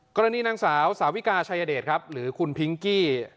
กรณีนางสาวสาวิกาชายเดชครับหรือคุณพิงกี้